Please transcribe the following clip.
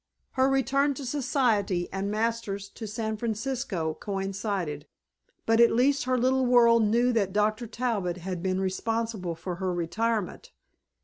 Her return to Society and Masters' to San Francisco coincided, but at least her little world knew that Dr. Talbot had been responsible for her retirement.